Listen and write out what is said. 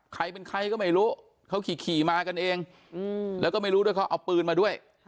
ใครเป็นใครก็ไม่รู้เขาขี่มากันเองแล้วก็ไม่รู้ด้วยเขาเอาปืนมาด้วย